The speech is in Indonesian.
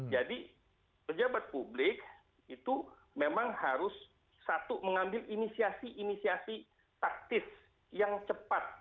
jadi pejabat publik itu memang harus satu mengambil inisiasi inisiasi taktis yang cepat